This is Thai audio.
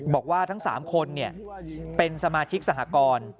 บอกว่าทั้ง๓คนเป็นสมาชิกสหกร